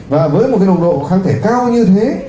và với một cái nồng độ kháng thể cao như thế